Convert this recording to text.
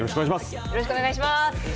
よろしくお願いします。